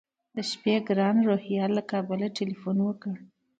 د شپې ګران روهیال له کابله تیلفون وکړ.